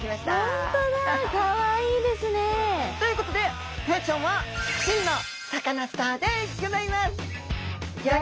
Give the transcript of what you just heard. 本当だかわいいですね。ということでホヤちゃんは真のサカナスターでギョざいます。